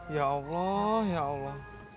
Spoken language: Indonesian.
ya allah ya allah